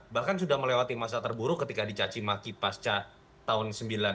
bahkan sudah melewati masa terburu ketika dicacimaki pasca tahun sembilan puluh delapan